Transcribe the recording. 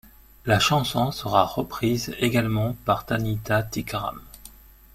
La chanson sera reprise également par Tanita Tikaram.